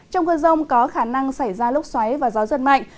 trong cơn rông có khả năng xảy ra lốc xoáy và gió giật mạnh